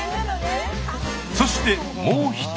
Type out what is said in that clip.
そしてもう一人。